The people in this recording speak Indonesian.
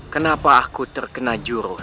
kenapa aku terkena juru